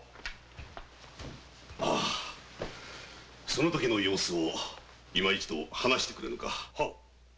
その時の様子を今一度話してくれぬか？